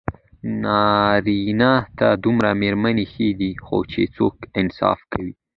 نارېنه ته دوه ميرمني ښې دي، خو چې څوک انصاف کوي